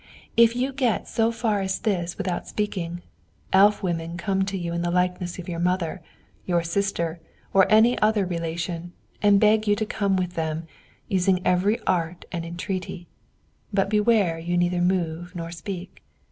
If you get so far as this without speaking, elf women come to you in the likeness of your mother, your sister, or any other relation, and beg you to come with them, using every art and entreaty; but beware you neither move nor speak.